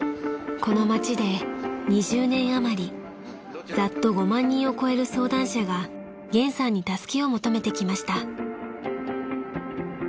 ［この街で２０年あまりざっと５万人を超える相談者が玄さんに助けを求めてきました］